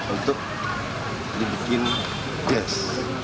untuk dibikin jazz